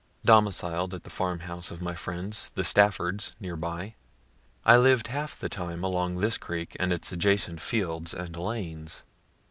Domicil'd at the farm house of my friends, the Staffords, near by, I lived half the time along this creek and its adjacent fields and lanes.